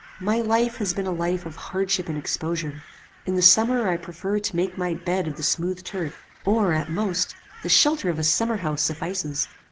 "My life has been a life of hardship and exposure. In the summer I prefer to make my bed of the smooth turf, or, at most, the shelter of a summer house suffices.